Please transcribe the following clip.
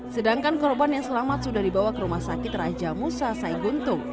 sedangkan korban yang selamat sudah dibawa ke rumah sakit raja musa saiguntung